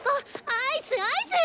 アイスアイス！